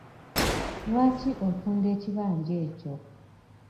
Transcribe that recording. Lwaki otunda ekibanja ekyo?